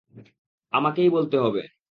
আমাকেই বলতে হবে।